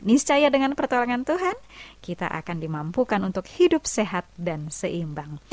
niscaya dengan pertolongan tuhan kita akan dimampukan untuk hidup sehat dan seimbang